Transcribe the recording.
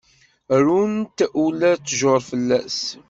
Runt ula tjur fell-as.